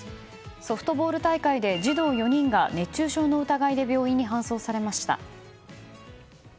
ソフトボール大会で児童４人が熱中症の疑いで病院に搬送されました。